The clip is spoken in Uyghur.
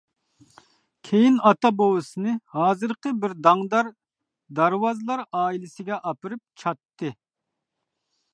كېيىن ئاتا-بوۋىسىنى ھازىرقى بىر داڭدار دارۋازلار ئائىلىسىگە ئاپىرىپ چاتتى.